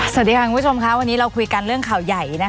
สวัสดีค่ะคุณผู้ชมค่ะวันนี้เราคุยกันเรื่องข่าวใหญ่นะคะ